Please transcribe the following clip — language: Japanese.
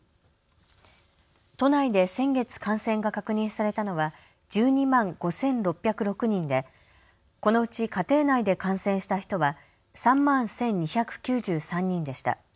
都内で先月感染が確認されたのは１２万５６０６人でこのうち家庭内で感染した人は３万１２９３人でした。